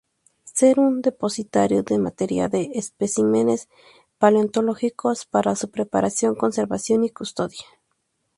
Ser un depositario de material de especímenes paleontológicos para su preparación, conservación y custodia.